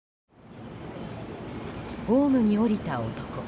ホームに降りた男。